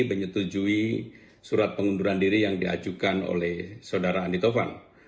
menyetujui surat pengunduran diri yang diajukan oleh saudara andi taufan